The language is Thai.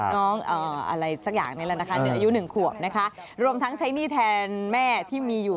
เอออะไรสักอย่างเลยนะคะอายุ๑ควบรวมทั้งใช้หนี้แทนแม่ที่มีอยู่